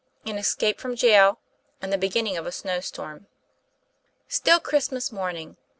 AN ESCAPE FROM JAIL, AND THE BEGINNING OF A SNOW STORM. STILL Christmas morning!